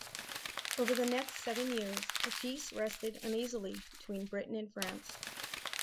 Over the next seven years a peace rested uneasily between Britain and France.